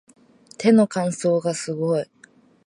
手の乾燥がすごい